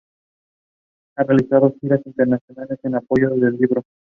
Ha realizado giras internacionales en apoyo del libro.